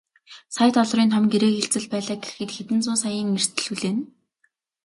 Сая долларын том гэрээ хэлцэл байлаа гэхэд хэдэн зуун саяын эрсдэл хүлээнэ.